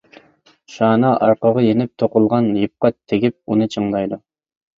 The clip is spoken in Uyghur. شانا ئارقىغا يېنىپ توقۇلغان يىپقا تېگىپ ئۇنى چىڭدايدۇ.